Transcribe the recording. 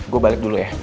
gue balik dulu ya